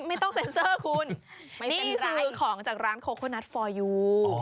ไม่ต้องเซ็นเซอร์คุณนี่คือของจากร้านโคโคนัสฟอร์ยู